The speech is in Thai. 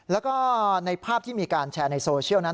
แล้วก็ในภาพที่มีการแชร์ในโซเชียลนั้น